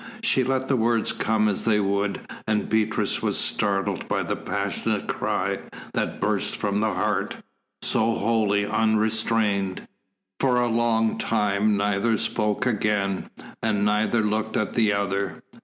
She let the words come as they would, and Beatrice was startled by the passionate cry that burst from the heart, so wholly unrestrained. For a long time neither spoke again, and neither looked at the other.